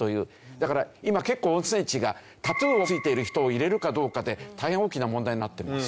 だから今結構温泉地がタトゥーをついてる人を入れるかどうかで大変大きな問題になってます。